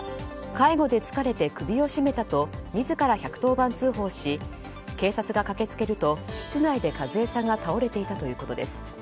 介護で疲れて首を絞めたと自ら１１０番通報し警察が駆けつけると室内で数江さんが倒れていたということです。